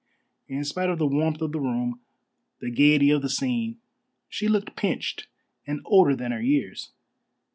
In spite of the warmth of the room, the gaiety of the scene, she looked pinched and older than her years.